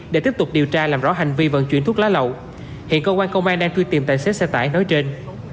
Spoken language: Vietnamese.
để tiếp tục điều tra làm rõ hành vi vận chuyển thuốc lá lậu hiện công an công an đang tuy tìm tài xế xe tải nói trên